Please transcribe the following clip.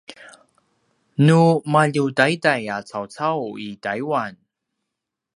nu maljutaiday a caucau i taiwan